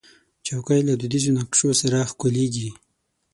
چوکۍ له دودیزو نقشو سره ښکليږي.